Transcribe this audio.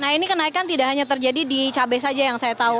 nah ini kenaikan tidak hanya terjadi di cabai saja yang saya tahu